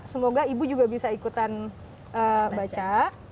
semoga ibu juga bisa ikutan baca